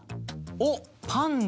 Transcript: おっパンダ